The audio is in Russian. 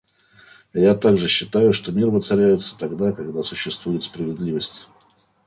Я также считаю, что мир воцаряется тогда, когда существует справедливость...